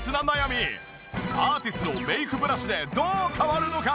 アーティスのメイクブラシでどう変わるのか？